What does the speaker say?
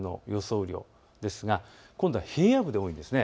雨量ですが今度は平野部で多いんです。